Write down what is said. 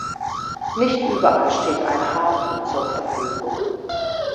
Nicht überall steht ein Hafen zur Verfügung.